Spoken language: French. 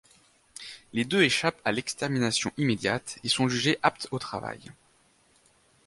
Les deux échappent à l'extermination immédiate et sont jugés aptes au travail.